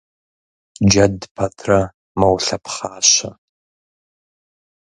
Джэд пэтрэ мэулъэпхъащэ.